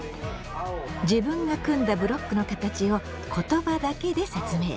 自分が組んだブロックの形を言葉だけで説明。